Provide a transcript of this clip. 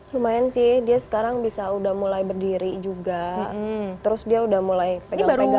lumayan sih dia sekarang bisa udah mulai berdiri juga terus dia udah mulai pegang pegang